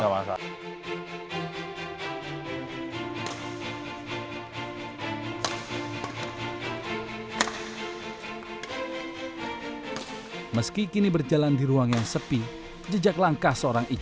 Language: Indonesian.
kenapa kau bisa tahan di daerah which is inhabit